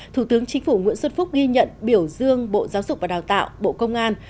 thủ tướng chính phủ nguyễn xuân phúc ghi nhận biểu dương bộ giáo dục và đào tạo bộ công an